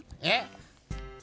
えっ？